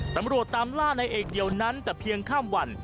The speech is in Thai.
ตำรวจตามล่าในเอกเดียวนั้นแต่เพียงข้ามวัน